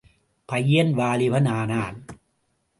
பையன் வாலிபன் ஆனான்.